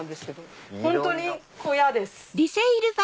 本当に小屋です。